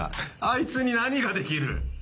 あいつに何ができる？